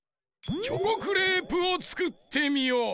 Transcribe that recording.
チョコクレープをつくってみよ！